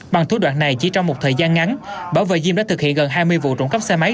bằng thủ đoạn này chỉ trong một thời gian ngắn bảo và diêm đã thực hiện gần hai mươi vụ trộm cắp xe máy